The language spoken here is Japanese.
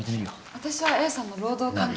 私はＡさんの労働環境。